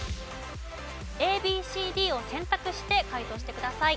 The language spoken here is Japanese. ＡＢＣＤを選択して解答してください。